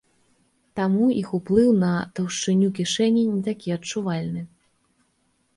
Таму іх уплыў на таўшчыню кішэні не такі адчувальны.